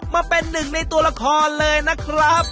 มาเป็นหนึ่งในตัวละครเลยนะครับ